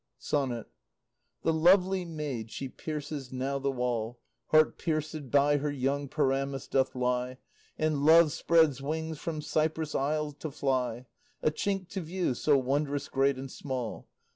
SONNET The lovely maid, she pierces now the wall; Heart pierced by her young Pyramus doth lie; And Love spreads wing from Cyprus isle to fly, A chink to view so wondrous great and small.